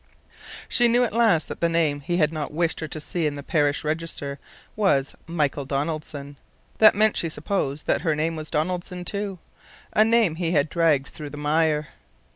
She knew at last that the name he had not wished her to see in the parish register was Michael Donaldson. That meant, she supposed, that her name was Donaldson, too; a name he had dragged through the mire.